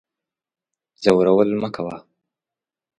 ځورول مکوه